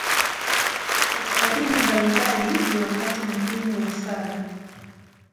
Katika dini mbalimbali, ni wakati muhimu wa sala.